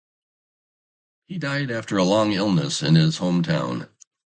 He died after a long illness in his home town.